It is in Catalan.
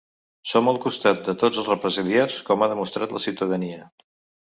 Som al costat de tots els represaliats, com ha demostrat la ciutadania.